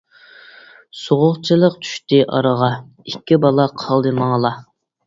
سوغۇقچىلىق چۈشتى ئارىغا، ئىككى بالا قالدى ماڭىلا.